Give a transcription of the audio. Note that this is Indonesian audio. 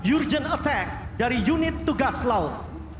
urgent attack dari unit tugas laut